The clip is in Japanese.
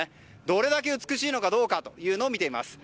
どれだけ美しいかどうかを見ています。